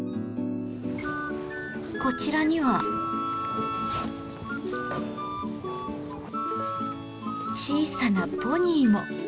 こちらには小さなポニーも。